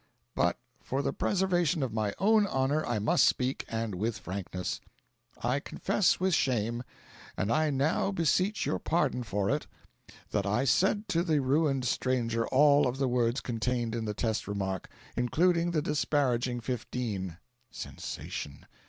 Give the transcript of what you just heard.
But for the preservation of my own honour I must speak and with frankness. I confess with shame and I now beseech your pardon for it that I said to the ruined stranger all of the words contained in the test remark, including the disparaging fifteen. (Sensation.)